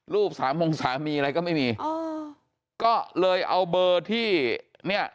สามงสามีอะไรก็ไม่มีอ๋อก็เลยเอาเบอร์ที่เนี่ย